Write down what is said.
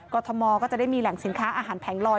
ทมก็จะได้มีแหล่งสินค้าอาหารแผงลอย